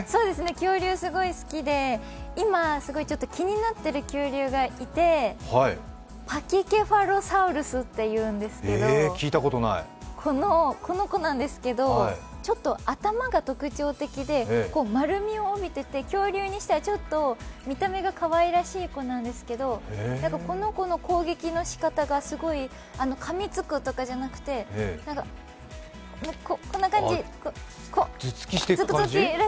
恐竜すごい好きで今ちょっと気になっている恐竜がいてパキケファロサウルスっていうんですけど、この子なんですけど、頭が特徴的で、丸みを帯びてて、恐竜にしてはちょっと見た目がかわいらしい子なんですけど、この子の攻撃のしかたが、かみつくとかじゃなくて頭突きしてる感じ？